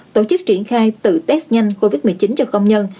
tổ chức triển khai tự test nhanh covid một mươi chín cho công nhân